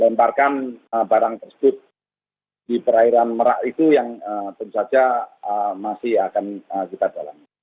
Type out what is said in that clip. lemparkan barang tersebut di perairan merak itu yang tentu saja masih akan kita jalani